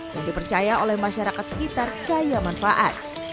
yang dipercaya oleh masyarakat sekitar kaya manfaat